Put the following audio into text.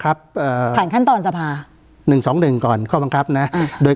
การแสดงความคิดเห็น